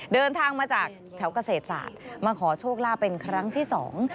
เดินทางมาจากแถวเกษตรศาสตร์มาขอโชคลาภเป็นครั้งที่สอง